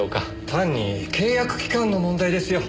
単に契約期間の問題ですよ。